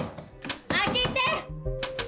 開けて！